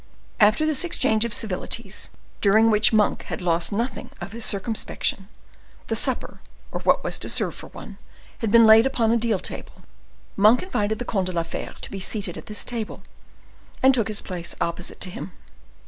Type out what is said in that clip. After this exchange of civilities, during which Monk had lost nothing of his circumspection, the supper, or what was to serve for one, had been laid upon a deal table. Monk invited the Comte de la Fere to be seated at this table, and took his place opposite to him.